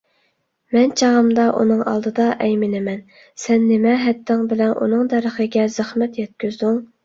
مەن چېغىمدا ئۇنىڭ ئالدىدا ئەيمىنىمەن، سەن نېمە ھەددىڭ بىلەن ئۇنىڭ دەرىخىگە زەخمەت يەتكۈزدۈڭ؟